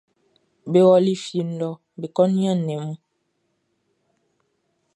Be ɔli fie lɔ be ko niannin nnɛn mun.